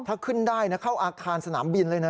ถ้าขึ้นได้นะเข้าอาคารสนามบินเลยนะ